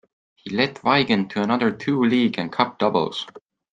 He led Wigan to another two League and Cup doubles.